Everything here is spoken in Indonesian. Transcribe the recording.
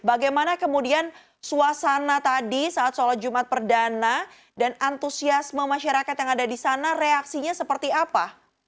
bagaimana kemudian suasana tadi saat sholat jumat perdana dan antusiasme masyarakat yang ada di sana reaksinya seperti apa